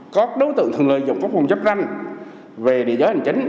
có đối tượng thường lợi dụng các phòng chấp tranh về địa giới hành chính